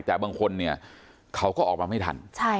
แต่บางคนเนี่ยเขาก็ออกมาไม่ทัน